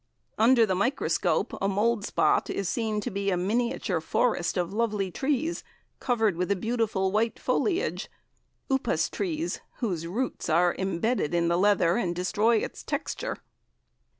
Under the microscope a mould spot is seen to be a miniature forest of lovely trees, covered with a beautiful white foliage, upas trees whose roots are embedded in the leather and destroy its texture.